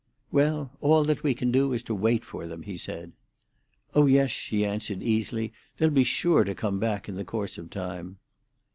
"Well, all that we can do is to wait for them," he said. "Oh yes," she answered easily. "They'll be sure to come back in the course of time."